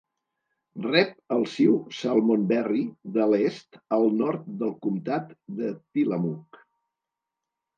Rep el riu Salmonberry de l'est al nord del comtat de Tillamook.